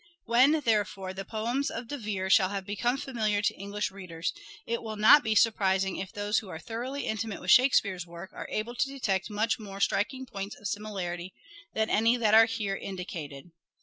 When, therefore, the poems of De Vere shall have become familiar to English readers, it will not be surprising if those who are thoroughly intimate with Shakespeare's work are able to detect much more striking points of similarity than any that are here indicated.